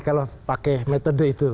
kalau pakai metode itu